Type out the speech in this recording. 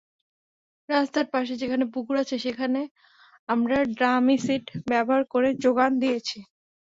রাস্তার পাশে যেখানে পুকুর আছে, সেখানে আমরা ড্রামিশট ব্যবহার করে জোগান দিয়েছি।